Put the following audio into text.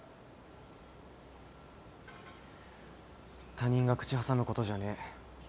他人が口挟むことじゃねえ。